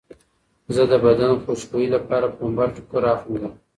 زه د بدن خوشبویۍ لپاره پنبه ټوکر اغوندم.